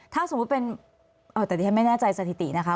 ถ้าสมมุติเป็นแต่ที่ฉันไม่แน่ใจสถิตินะคะ